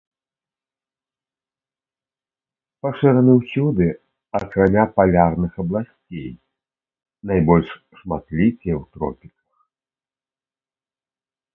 Пашыраны ўсюды, акрамя палярных абласцей, найбольш шматлікія ў тропіках.